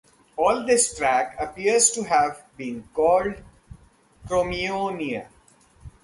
All this track appears to have been called Crommyonia.